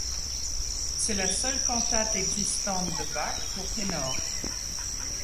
C'est la seule cantate existante de Bach pour ténor.